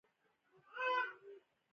هلته حرفوي تخصص پالنه موجود وو